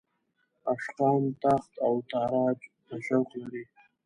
عاشقان تاخت او تاراج ته شوق لري.